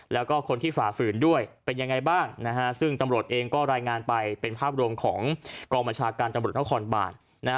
แล้วก็คนที่ฝ่าฝืนด้วยเป็นยังไงบ้างซึ่งตำรวจเองก็รายงานไปเป็นภาพรวมของกองบัญชาการตำรวจนครบาน